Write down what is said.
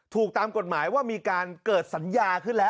ถูกตามกฎหมายว่ามีการเกิดสัญญาขึ้นแล้ว